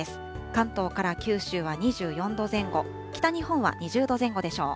関東から九州は２４度前後、北日本は２０度前後でしょう。